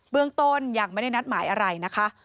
เรื่องต้นยังไม่ได้นัดหมายอะไรนะคะ